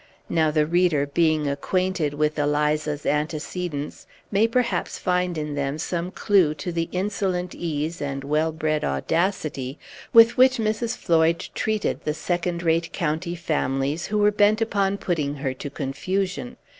Now the reader, being acquainted with Eliza's antecedents, may perhaps find in them some clew to the insolent ease and well bred audacity with which Mrs. Floyd treated the second rate county families who were bent upon putting her to confusion.